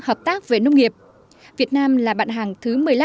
hợp tác về nông nghiệp việt nam là bạn hàng thứ một mươi năm của australia